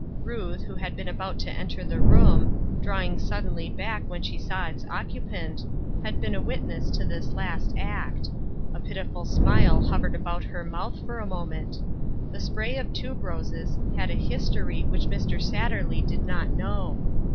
Ruth, who had been about to enter the room, drawing suddenly back when she saw its occupant, had been a witness to this last act ; a pitiful smile 288 " NEXT MOST. t» hovered about her mouth for a moment. The spray of tuberoses had a history which Mr. Satterley did not know.